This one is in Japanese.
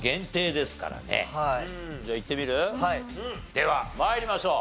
では参りましょう。